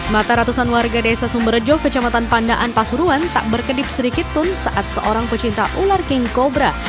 mata ratusan warga desa sumberjo kecamatan pandaan pasuruan tak berkedip sedikit pun saat seorang pecinta ular king cobra